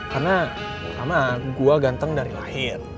karena pertama gue ganteng dari lahir